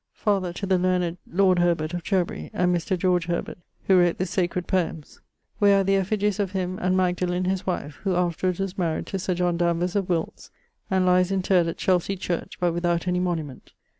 (father to the learned lord Herbert of Cherbery, and Mr. George Herbert, who wrote the sacred poëms), where are the effigies of him and Magdalene his wife, who afterwards was maried to Sir John Danvers of Wilts, and lies interred at Chelsey church but without any monument.